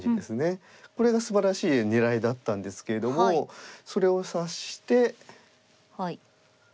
これがすばらしい狙いだったんですけれどもそれを察して。